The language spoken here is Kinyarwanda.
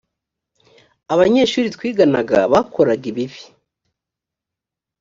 abanyeshuri twiganaga bakoraga ibibi